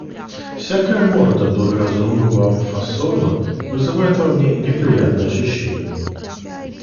Всякая морда благоразумного фасона вызывает во мне неприятное ощущение.